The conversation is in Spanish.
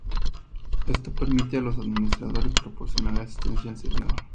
Esto permite a los administradores proporcionarle asistencia al servidor.